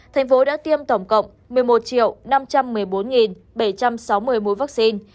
thành phố đã tiêm tổng cộng một mươi một năm trăm một mươi bốn bảy trăm sáu mươi mối vaccine